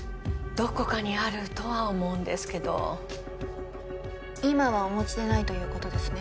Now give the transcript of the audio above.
どこかにあるとは思うんですけど今はお持ちでないということですね